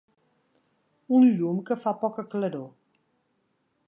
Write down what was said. Un llum que fa poca claror.